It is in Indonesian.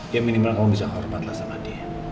dia minimal kamu bisa hormatlah sama dia